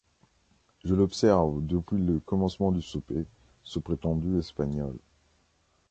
Je l’observe depuis le commencement du souper, ce prétendu espagnol.